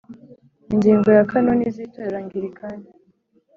Ingingo ya kanoni z itorero angilikani